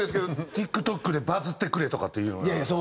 ＴｉｋＴｏｋでバズってくれとかっていうような。